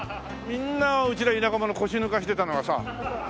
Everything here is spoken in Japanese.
みんなうちら田舎者腰抜かしてたのがさ。